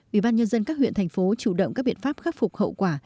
ủy ban nhân dân các huyện thành phố chủ động các biện pháp khắc phục hậu quả